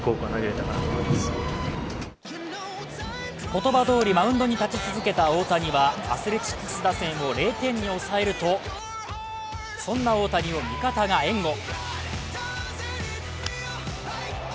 言葉どおりマウンドに立ち続けた大谷はアスレチックス打線を０点に抑えると、そんな大谷を味方が援護。